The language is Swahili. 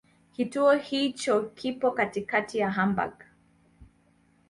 Kituo hicho kipo katikati ya Hamburg.